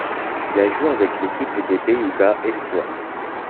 Il a joué avec l'équipe des Pays-Bas espoirs.